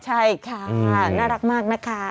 ใช่ค่ะน่ารักมากนะคะ